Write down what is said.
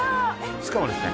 しかもですね